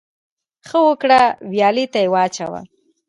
ـ ښه وکړه ، ويالې ته يې واچوه.